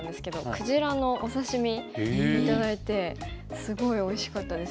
クジラのお刺身頂いてすごいおいしかったですね。